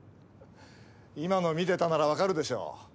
今の見てたならわかるでしょう。